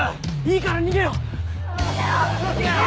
いいから逃げよう。